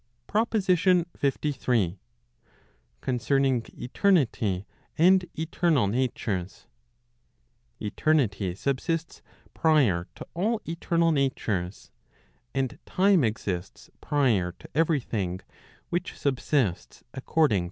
PROPOSITION LIII. Concerning Eternity and Eternal Natures. Eternity subsists prior to all eternal natures, and time exists prior to every thing which subsists according to time.